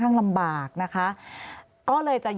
อันดับที่สุดท้าย